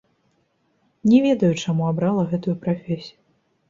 Не ведаю, чаму абрала гэтую прафесію.